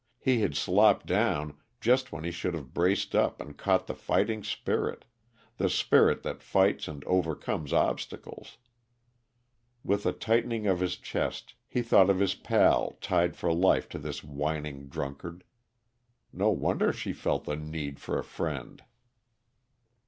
He had "slopped down" just when he should have braced up and caught the fighting spirit the spirit that fights and overcomes obstacles. With a tightening of his chest, he thought of his "pal," tied for life to this whining drunkard. No wonder she felt the need of a friend!